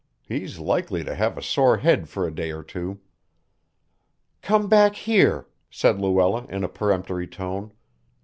He's likely to have a sore head for a day or two." "Come back here," said Luella in a peremptory tone.